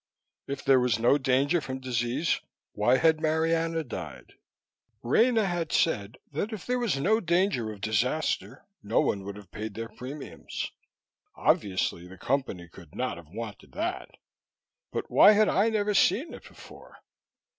If there was no danger from disease, why had Marianna died? Rena had said that if there was no danger of disaster, no one would have paid their premiums. Obviously the Company could not have wanted that, but why had I never seen it before?